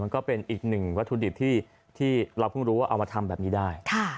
ก็เป็นอีกหนึ่งวัตถุดิบที่เราเพิ่งรู้ว่าเอามาทำแบบนี้ได้